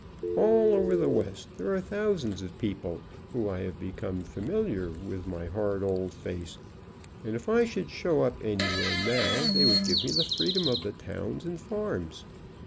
All over the West there are thousands of people who 1 have become familiar with my hard old face, and if I should show up anywhere now they would give me the freedom of the towns and farms.